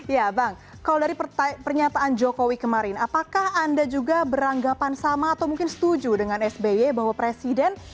ya bang kalau dari pernyataan jokowi kemarin apakah anda juga beranggapan sama atau mungkin setuju dengan sby bahwa presiden